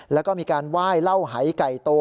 แล้วก็มีการไหว้เหล้าหายไก่โต